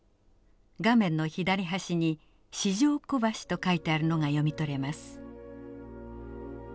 画面の左端に四條小橋と書いてあるのが読み取れます。